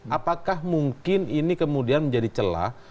apakah mungkin ini kemudian menjadi celah